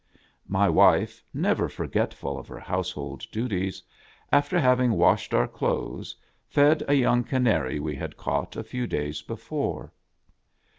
My wife, never forgetful of her household duties, after having washed our clothes, fed a young canary we had caught a few days before.